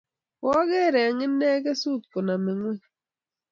ko ang'er eng' inen kosut koname ng'weny.